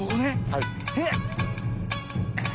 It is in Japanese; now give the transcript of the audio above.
はい。